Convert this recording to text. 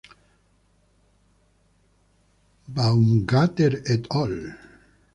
Baumgartner et al.